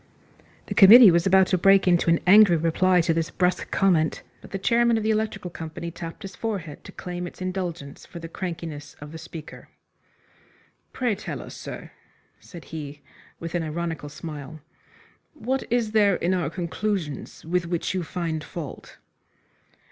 The committee was about to break into an angry reply to this brusque comment, but the chairman of the Electrical Company tapped his forehead to claim its indulgence for the crankiness of the speaker. "Pray tell us, sir," said he, with an ironical smile, "what is there in our conclusions with which you find fault?"